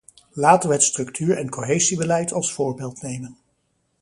Laten we het structuur- en cohesiebeleid als voorbeeld nemen.